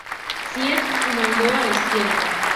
Zieten comandó el ala izquierda.